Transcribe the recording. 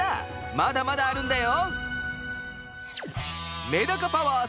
まだまだあるんだよ。